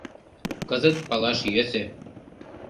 Кызыт палаш йӧсӧ.